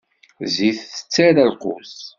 Zzit tettara lqut.